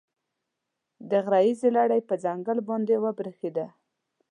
د غره ییزې لړۍ پر ځنګل باندې وبرېښېده.